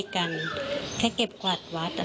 ฝ่ายกรเหตุ๗๖ฝ่ายมรณภาพกันแล้ว